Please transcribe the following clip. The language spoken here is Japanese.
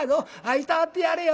いたわってやれよ。